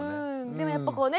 でもやっぱこうね